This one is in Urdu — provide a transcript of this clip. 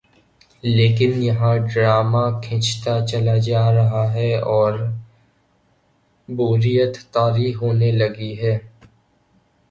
لیکن یہاں ڈرامہ کھنچتا چلا جارہاہے اوربوریت طاری ہونے لگی ہے۔